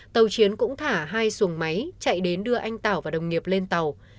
tàu chiến cũng thả hai xuồng máy chạy đến đưa anh tảo và đồng nghiệp lên tàu